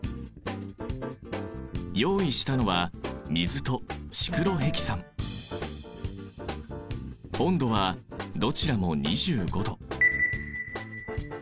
用意したのは温度はどちらも２５度。